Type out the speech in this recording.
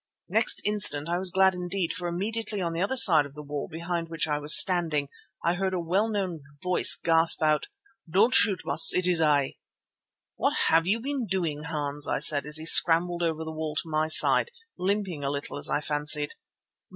Next instant I was glad indeed, for immediately on the other side of the wall behind which I was standing I heard a well known voice gasp out: "Don't shoot, Baas, it is I." "What have you been doing, Hans?" I said as he scrambled over the wall to my side, limping a little as I fancied.